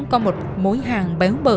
có một mối hàng béo bở